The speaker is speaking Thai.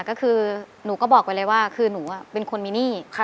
ก็คือหนูก็บอกไปเลยว่าคือหนูเป็นคนมีหนี้